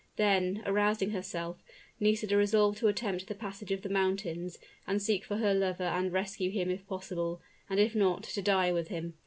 Then, arousing herself, Nisida resolved to attempt the passage of the mountains, and seek for her lover and rescue him if possible, and if not, to die with him.